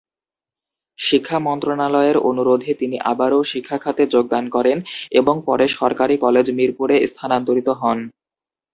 শিক্ষা মন্ত্রণালয়ের অনুরোধে তিনি আবারও শিক্ষা খাতে যোগদান করেন এবং পরে সরকারী কলেজ মিরপুরে স্থানান্তরিত হন।